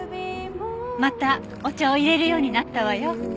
またお茶を淹れるようになったわよ。